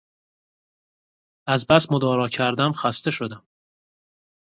از بس مدارا کردم خسته شدم